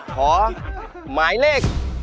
ขอหมายเลข